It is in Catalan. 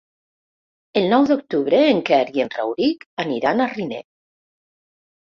El nou d'octubre en Quer i en Rauric aniran a Riner.